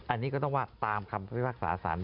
อันนี้ก็ต้องว่าตามคำพิพากษาสาร